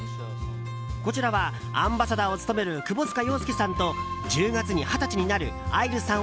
こちらはアンバサダーを務める窪塚洋介さんと１０月に二十歳になる愛流さん